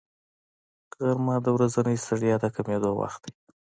غرمه د ورځنۍ ستړیا د کمېدو وخت دی